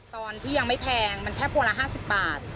ตอนที่ยังไม่แพงมันแพะพวงละห้าสิบบาท